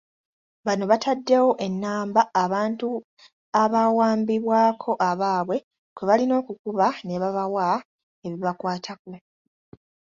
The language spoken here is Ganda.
Bano bataddewo ennamba abantu abaawambibwako abaabwe kwe balina okukuba ne babawa ebibakwatako.